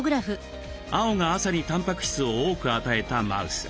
青が朝にたんぱく質を多く与えたマウス。